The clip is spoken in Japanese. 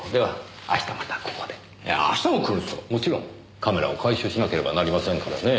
カメラを回収しなければなりませんからねぇ。